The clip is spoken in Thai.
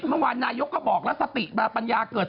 เมื่อวานนายกก็บอกแล้วสติมาปัญญาเกิด